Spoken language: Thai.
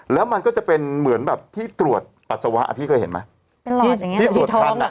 แล้วมันก็จะเป็นเหมือนแบบที่ตรวจปัสสาวะที่เคยเห็นไหม